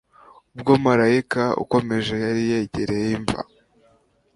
Ubwo Maraika ukomeye yari yegereye imva,